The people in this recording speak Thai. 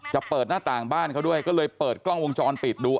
เปิดหน้าต่างบ้านเขาด้วยก็เลยเปิดกล้องวงจรปิดดู